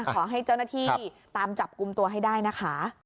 ขอให้เจ้าหน้าที่ตามจับกลุ่มตัวให้ได้นะคะ